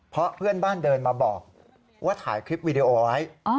เพราะเพื่อนบ้านเดินมาบอกว่าถ่ายคลิปวีดีโอไว้